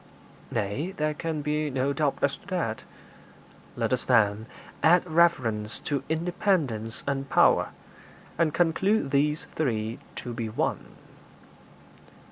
'Nay; there can be no doubt as to that.' 'Let us, then, add reverence to independence and power, and conclude these three to be one.'